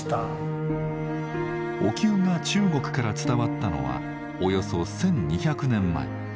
お灸が中国から伝わったのはおよそ１，２００年前。